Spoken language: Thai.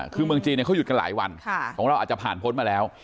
คือเมืองจีนเขาหยุดกันหลายวันของเราอาจจะผ่านพ้นมาแล้ว